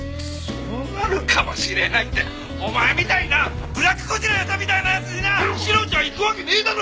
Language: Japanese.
「そうなるかもしれない」ってお前みたいなブラックゴジラみたいな奴にな志乃ちゃん行くわけねえだろ馬鹿野郎お前！